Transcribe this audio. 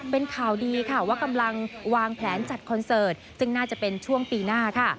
เป็นข่าวดีค่ะว่ากำลังวางแผนจัดคอนเสิร์ตซึ่งน่าจะเป็นช่วงปีหน้าค่ะ